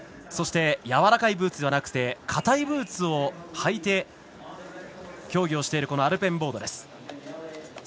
そしてやわらかいブーツではなくてかたいブーツを履いて競技をしているアルペンボード。